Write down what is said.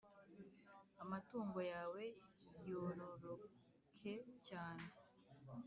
amatungo yawe yororoke cyane,